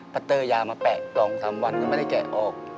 พอเตอร์ยามาแปะ๒๓วันก็ไม่ได้แกะออก